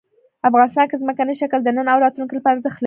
افغانستان کې ځمکنی شکل د نن او راتلونکي لپاره ارزښت لري.